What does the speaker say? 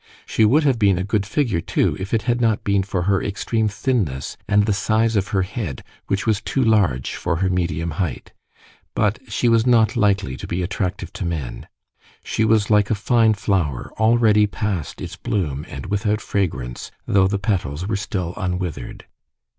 She would have been a good figure, too, if it had not been for her extreme thinness and the size of her head, which was too large for her medium height. But she was not likely to be attractive to men. She was like a fine flower, already past its bloom and without fragrance, though the petals were still unwithered.